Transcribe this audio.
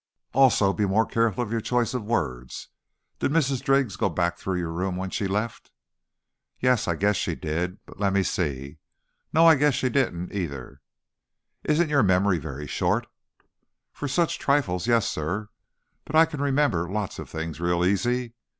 "Also, be more careful of your choice of words. Did Mrs. Driggs go back through your room when she left?" "Yes, I guess she did, but, lemmesee, no, I guess she didn't either." "Isn't your memory very short?" "For such trifles, yes, sir. But I can remember lots of things real easy.